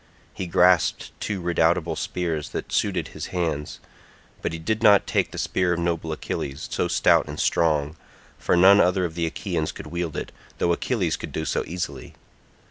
He grasped two redoubtable spears that suited his hands, but he did not take the spear of noble Achilles, so stout and strong, for none other of the Achaeans could wield it, though Achilles could do so easily.